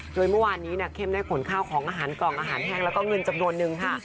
โดยเมื่อวานนี้เข้มได้ขนข้าวของอาหารกล่องอาหารแห้งแล้วก็เงินจำนวนนึงค่ะ